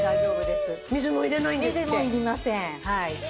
水もいりません。